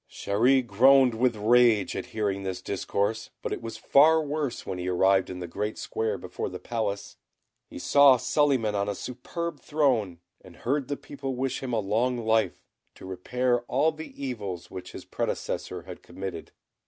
Chéri groaned with rage at hearing this discourse; but it was far worse when he arrived in the Great Square before the Palace. He saw Suliman on a superb throne, and heard the people wish him a long life, to repair all the evils which his predecessor had committed.